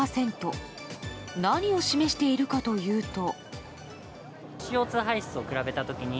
何を示しているかというと。